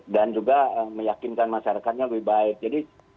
dan juga meyakinkan masyarakatnya lebih baik jadi